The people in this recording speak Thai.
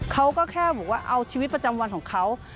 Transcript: เขาก็แค่บอกว่าเอาชีวิตประจำวันของเขา